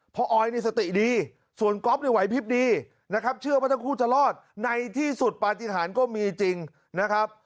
ออยนี่สติดีส่วนก๊อฟเนี่ยไหวพลิบดีนะครับเชื่อว่าทั้งคู่จะรอดในที่สุดปฏิหารก็มีจริงนะครับ